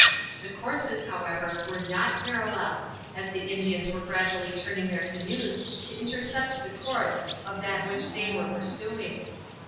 The courses, however, were not parallel, as the Indians were gradually turning their canoes to intercept the course of that which they were pursuing.